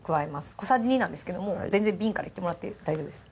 小さじ２なんですけどもう全然瓶からいってもらって大丈夫です